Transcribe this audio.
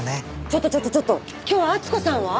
ちょっとちょっとちょっと今日温子さんは？